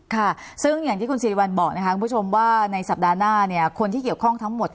ค่ะซึ่งอย่างที่คุณสิริวัลบอกนะคะคุณผู้ชมว่าในสัปดาห์หน้าเนี่ยคนที่เกี่ยวข้องทั้งหมด